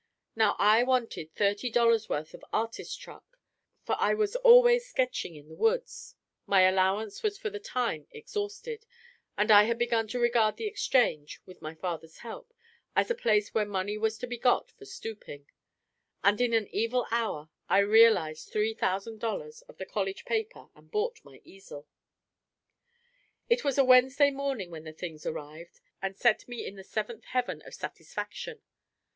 Now I wanted thirty dollars' worth of artist truck, for I was always sketching in the woods; my allowance was for the time exhausted; I had begun to regard the exchange (with my father's help) as a place where money was to be got for stooping; and in an evil hour I realised three thousand dollars of the college paper and bought my easel. It was a Wednesday morning when the things arrived, and set me in the seventh heaven of satisfaction.